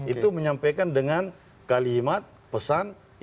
itu menyampaikan dengan kalimat pesan yang terbaik